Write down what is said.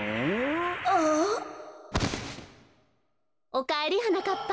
おかえりはなかっぱ。